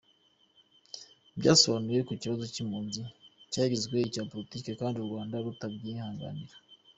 Byasobanuwe ko ikibazo cy’impunzi cyagizwe icya politiki ,kandi u Rwanda rutabyihanganira.